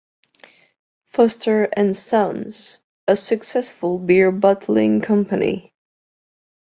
Foster and sons - a successful beer-bottling company.